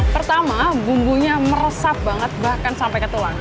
pertama bumbunya meresap banget bahkan sampai ke tulang